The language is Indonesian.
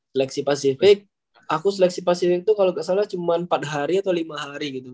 seleksi pasifik aku seleksi pasifik itu kalau tidak salah cuma empat hari atau lima hari gitu